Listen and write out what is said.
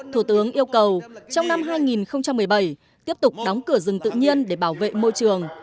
thủ tướng yêu cầu trong năm hai nghìn một mươi bảy tiếp tục đóng cửa rừng tự nhiên để bảo vệ môi trường